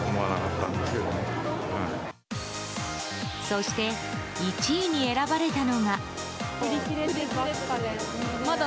そして、１位に選ばれたのが。